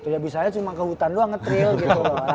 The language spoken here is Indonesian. ya bisa aja cuma ke hutan doang nge trill gitu loh